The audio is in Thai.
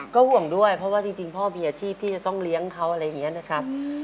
ก็ห่วงด้วยเพราะว่าจริงพ่อมีอาชีพที่จะต้องเลี้ยงเขาอะไรอย่างนี้นะครับ